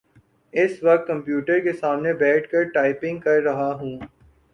اس وقت کمپیوٹر کے سامنے بیٹھ کر ٹائپنگ کر رہا ہوں۔